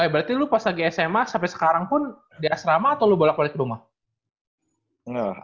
berarti lu pas lagi sma sampai sekarang pun di asrama atau lo bolak balik ke rumah